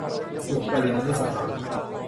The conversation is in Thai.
อุตริมนุสธรรม